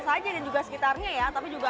saja dan juga sekitarnya ya tapi juga